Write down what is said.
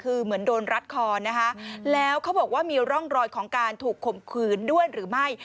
คือเหมือนโดนรัดคอนะคะแล้วเขาบอกว่ามีร่องรอยของการถูกข่มขืนด้วยหรือไม่